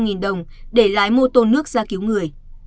giá hai trăm linh đồng để lái mô tô nước ra cứu người